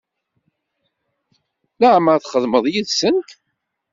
Laɛmeṛ i txedmeḍ yid-sent?